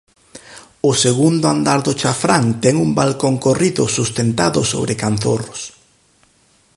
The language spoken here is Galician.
O segundo andar do chafrán ten un balcón corrido sustentado sobre canzorros.